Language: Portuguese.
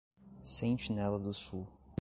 Sentinela do Sul